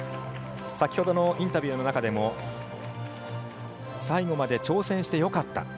先ほどのインタビューの中でも最後まで挑戦してよかった。